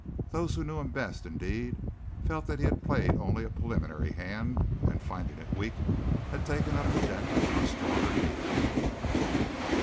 Those who knew him best, indeed, felt that he had played only a preliminary hand and, finding it weak, had taken up the deck for a stronger deal.